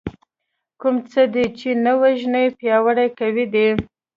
کوم څه دې چې نه وژنې پياوړي کوي دی .